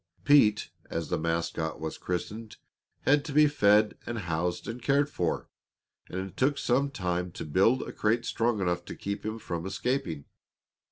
Pete, as the mascot was christened, had to be fed and housed and cared for, and it took some time to build a crate strong enough to keep him from escaping.